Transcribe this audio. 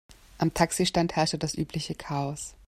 Am Taxistand herrschte das übliche Chaos.